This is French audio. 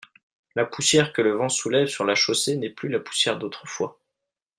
La poussière que le vent soulève sur la chaussée n'est plus la poussière d'autrefois.